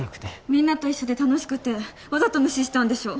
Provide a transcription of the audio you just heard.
みんなと一緒で楽しくてわざと無視したんでしょ？